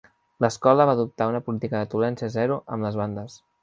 L'escola va adoptar una política de "tolerància zero amb les bandes".